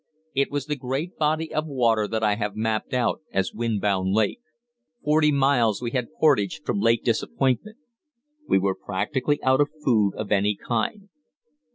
It was the great body of water that I have mapped out as Windbound Lake. Forty miles we had portaged from Lake Disappointment. We were practically out of food of any kind.